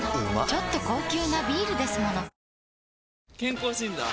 ちょっと高級なビールですもの健康診断？